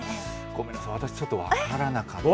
ごめんなさい、私、ちょっと分からなかった。